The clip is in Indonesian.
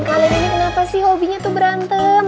kalian ini kenapa sih hobinya tuh berantem